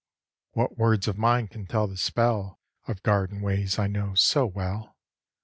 II. What words of mine can tell the spell Of garden ways I know so well?